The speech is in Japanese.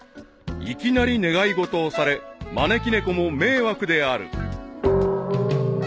［いきなり願い事をされ招き猫も迷惑である］